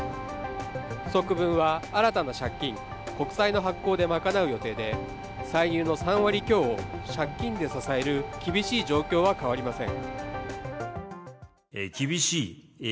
不足分は新たな借金、国債の発行で賄う予定で歳入の３割強を借金で支える厳しい状況は変わりません。